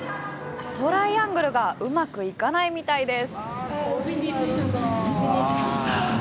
トライアングルがうまくいかないみたいです。